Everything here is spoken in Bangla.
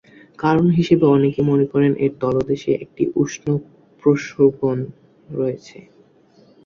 কারণ হিসেবে অনেকে মনে করেন এর তলদেশে একটি উষ্ণ প্রস্রবণ রয়েছে।